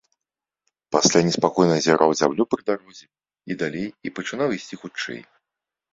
Пасля неспакойна азіраў зямлю пры дарозе і далей і пачынаў ісці хутчэй.